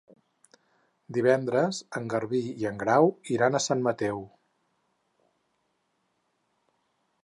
Divendres en Garbí i en Grau iran a Sant Mateu.